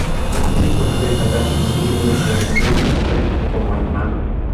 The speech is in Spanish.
Es importante destacar que no sigue una historia lineal y concreta, como el manga.